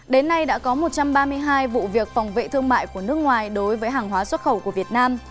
đến nay đã có một trăm ba mươi hai vụ việc phòng vệ thương mại của nước ngoài đối với hàng hóa xuất khẩu của việt nam